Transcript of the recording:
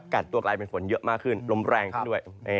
กัดตัวกลายเป็นฝนเยอะมากขึ้นลมแรงขึ้นด้วย